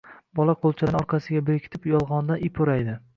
Bola qo‘lchalarini orqasiga berkitib, yolg‘ondan ip o‘raydi.